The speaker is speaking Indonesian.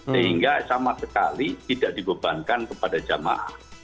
sehingga sama sekali tidak dibebankan kepada jamaah